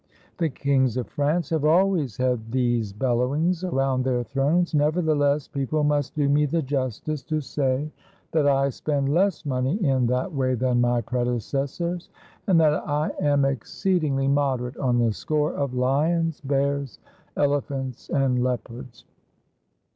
The kings of France have always had these bellowings around their thrones: nevertheless, peo ple must do me the justice to say that I spend less money in that way than my predecessors, and that I am exceed ingly moderate on the score of lions, bears, elephants, and leopards.